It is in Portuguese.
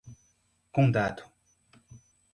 Condado